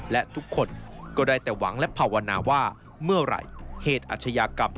และทุกคนก็ได้แต่หวังและภาวนาว่าเมื่อไหร่เหตุอาชญากรรม